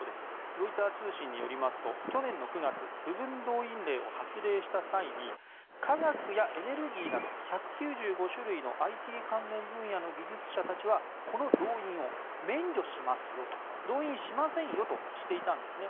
ロイター通信によりますと去年９月部分動員令を発令した際に科学やエネルギーなど１９５種類のＩＴ関連分野の技術者たちはこの動員を免除しますよと動員しませんよとしていたんですね。